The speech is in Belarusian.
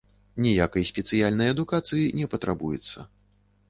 Ніякай спецыяльнай адукацыі не патрабуецца.